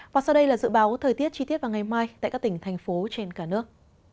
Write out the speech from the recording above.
và sau đây là dự báo thời tiết chi tiết vào ngày mai tại các tỉnh thành phố trên cả nước